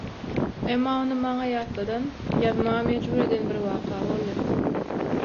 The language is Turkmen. Emma ony maňa ýatladan, ýazmaga mejbur eden bir waka boldy.